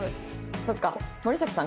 そっか森咲さん